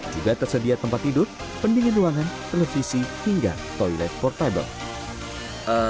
juga tersedia tempat tidur pendingin ruangan televisi hingga toilet portable